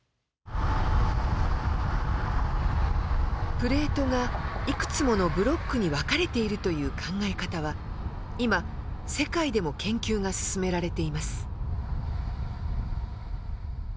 プレートがいくつものブロックに分かれているという考え方は今世界でも研究が進められています。